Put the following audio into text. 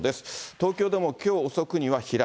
東京でもきょう遅くには飛来。